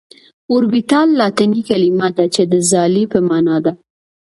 اوربيتال لاتيني کليمه ده چي د ځالي په معنا ده .